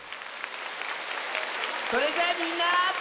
それじゃあみんな。